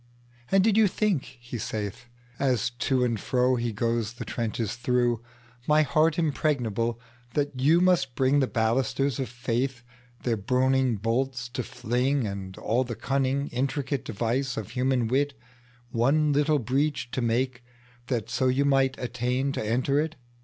And did you think, he saithAs to and fro he goes the trenches through, My heart impregnable, that you must bringThe ballisters of faithTheir burning bolts to fling, And all the cunning intricate deviceOf human wit, One little breach to makeThat so you might attain to enter it?